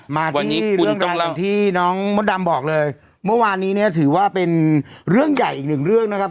มากกว่านี้คุณตรงที่น้องมดดำบอกเลยเมื่อวานนี้เนี่ยถือว่าเป็นเรื่องใหญ่อีกหนึ่งเรื่องนะครับ